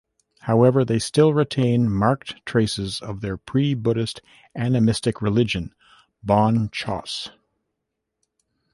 However, they still retain marked traces of their pre-Buddhist animistic religion, Bon-chos.